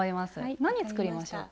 何作りましょうか？